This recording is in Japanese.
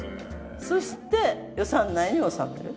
そして予算内に収める。